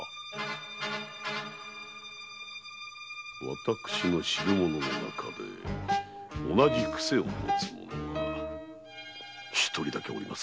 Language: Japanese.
私の知る者の中で同じ癖を持つ者が一人だけおります。